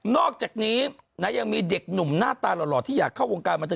อกจากนี้นะยังมีเด็กหนุ่มหน้าตาหล่อที่อยากเข้าวงการบันเทิ